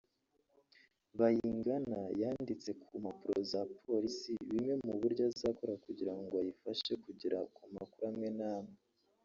Bayingana yanditse ku mpapuro za Polisi bimwe mubyo azakora kugirango ayifashe kugera ku makuru amwe namwe